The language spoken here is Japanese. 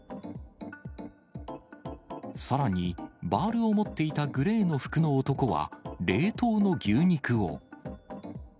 さらに、バールを持っていたグレーの服の男は冷凍の牛肉を。